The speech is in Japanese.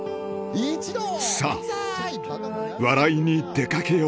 さぁ笑いに出かけよう